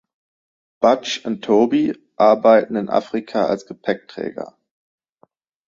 Butch und Toby arbeiten in Afrika als Gepäckträger.